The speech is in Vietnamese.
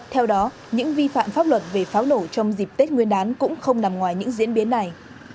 theo đó những vi phạm pháp luật về pháo nổ trong dịp tết nguyên đán cũng không nằm ngoài những diễn biến này